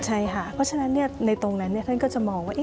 ใช่ค่ะเพราะฉะนั้นในตรงนั้นท่านก็จะมองว่า